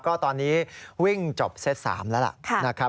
ก็ตอนนี้วิ่งจบเซต๓แล้วล่ะนะครับ